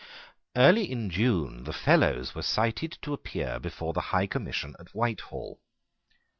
Early in June the Fellows were cited to appear before the High Commission at Whitehall.